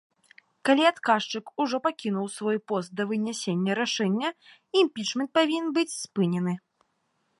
Калі адказчык ужо пакінуў свой пост да вынясення рашэння, імпічмент павінен быць спынены.